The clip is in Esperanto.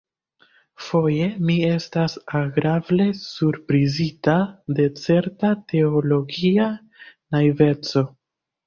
Foje mi estas agrable surprizita de certa teologia naiveco.